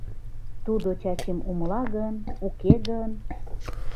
Тудо Чачим умыла гын, уке гын?..